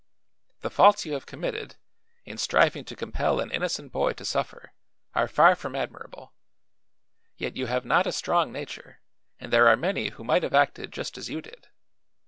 The faults you have committed, in striving to compel an innocent boy to suffer, are far from admirable; yet you have not a strong nature and there are many who might have acted just as you did.